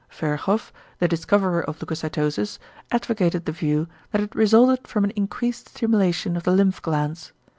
Virchow, the discoverer of leucocytosis, advocated the view, that it resulted from an increased stimulation of the lymph glands.